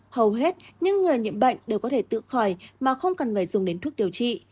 hầu hết những người nhiễm bệnh đều có thể tự khỏi mà không cần phải dùng đến thuốc điều trị